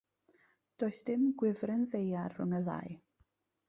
Does dim ‘gwifren ddaear' rhwng y ddau.